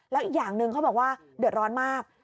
แล้วอีกอย่างหนึ่งเขาบอกว่าเดือดร้อนมาก